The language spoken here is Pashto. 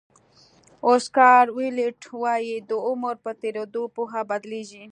اوسکار ویلډ وایي د عمر په تېرېدو پوهه بدلېږي.